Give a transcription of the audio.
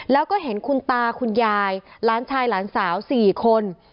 แล้วก็เห็นคุณตาคุณยายหลานชายหลานสาว๔คน